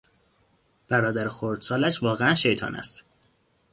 برادر خردسالش واقعا شیطان است.